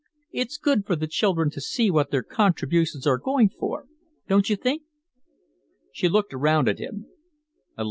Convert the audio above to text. It's good for the children to see what their contributions are going for, don't you think?" She looked around at him.